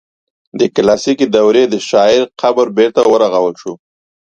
د کلاسیکي دورې د شاعر قبر بیرته ورغول شو.